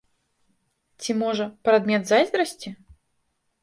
Ці, можа, прадмет зайздрасці?!